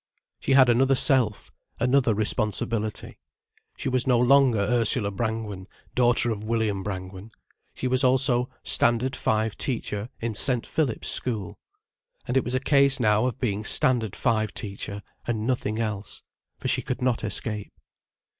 She had another self, another responsibility. She was no longer Ursula Brangwen, daughter of William Brangwen. She was also Standard Five teacher in St. Philip's School. And it was a case now of being Standard Five teacher, and nothing else. For she could not escape.